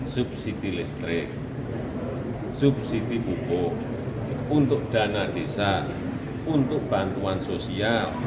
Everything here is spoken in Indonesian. subsidi listrik subsidi pupuk untuk dana desa untuk bantuan sosial